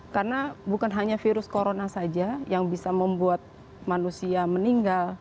karena bukan hanya virus corona saja yang bisa membuat manusia meninggal